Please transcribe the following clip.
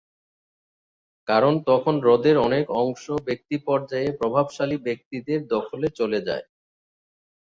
কারণ, তখন হ্রদের অনেক অংশ ব্যক্তিপর্যায়ে প্রভাবশালী ব্যক্তিদের দখলে চলে যায়।